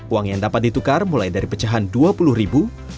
uang yang dapat ditukar mulai dari pecahan dua puluh ribu